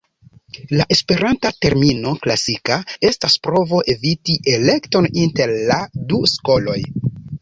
La esperanta termino "klasika" estas provo eviti elekton inter la du skoloj.